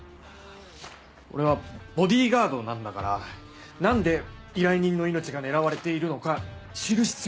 俺はボディーガードなんだから何で依頼人の命が狙われているのか知る必要がある。